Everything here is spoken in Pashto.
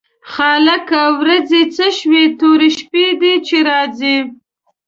خالقه ورځې څه شوې تورې شپې دي چې راځي.